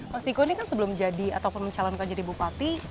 mas diko ini kan sebelum jadi ataupun mencalonkan jadi bupati